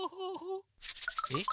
えっ？